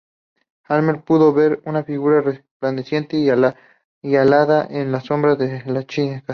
Helmer pudo ver una figura resplandeciente y alada en la sombra de la chica.